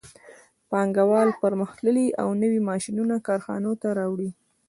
پانګوال پرمختللي او نوي ماشینونه کارخانو ته راوړي